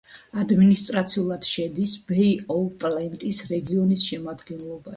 ადმინისტრაციულად შედის ბეი-ოვ-პლენტის რეგიონის შემადგენლობაში.